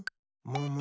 むむ？